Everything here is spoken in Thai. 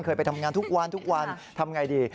เคยไปทำงานทุกวันทุกวันทำอย่างไรดี